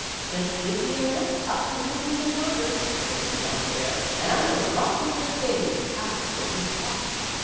" Just give me a lift up through the window yonder," says he to Uncle Bear, " and I will drop the good things out for you to catch."